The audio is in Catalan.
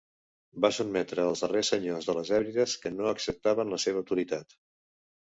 Va sotmetre els darrers senyors de les Hèbrides que no acceptaven la seva autoritat.